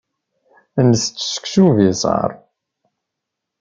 Ntett seksu ubiṣaṛ.